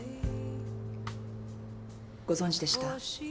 ご存じでした？